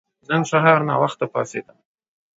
نن سهار ناوخته پاڅیدم.